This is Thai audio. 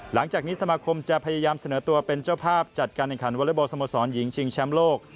หลังจากนี้สมาคมจะพยายามเสนอตัวเป็นเจ้าภาพจัดการแข่งขันวอเล็กบอลสโมสรหญิงชิงแชมป์โลก